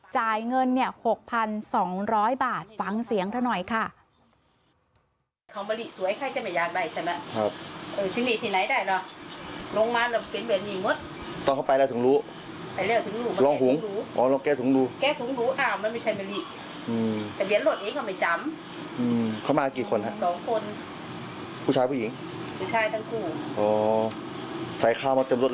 จ่ายเงิน๖๒๐๐บาทฟังเสียงเธอหน่อยค่ะ